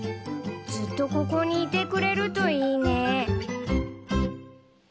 ずっとここにいてくれるといいね。